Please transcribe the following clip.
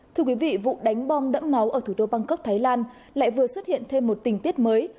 thưa quý vị vụ đánh bom đẫm máu ở thủ đô bangkok thái lan lại vừa xuất hiện thêm một tình tiết mới